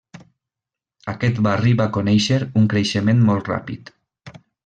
Aquest barri va conèixer un creixement molt ràpid.